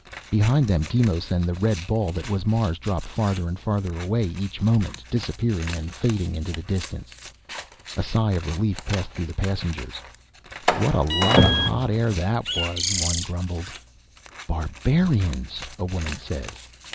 Behind them Deimos and the red ball that was Mars dropped farther and farther away each moment, disappearing and fading into the distance. A sigh of relief passed through the passengers. "What a lot of hot air that was," one grumbled. "Barbarians!" a woman said.